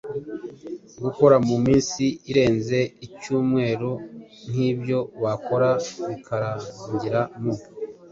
gukora mu minsi irenze iy’icyumweru nk’ibyo wakora bikarangira mu